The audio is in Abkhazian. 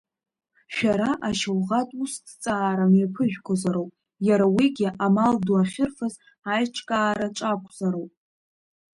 Шәара ашьауӷатә усҭҵаара мҩаԥыжәгозароуп, иара уигьы амал ду ахьырфаз аиҿкаараҿ акәзароуп.